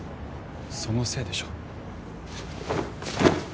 そのせいでしょう